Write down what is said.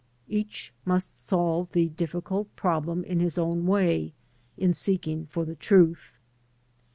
Each must solve the difficult problem in his own way in seeking for the truth.